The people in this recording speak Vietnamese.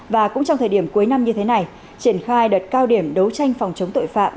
và cũng trong thời điểm cuối năm như thế này triển khai đợt cao điểm đấu tranh phòng chống tội phạm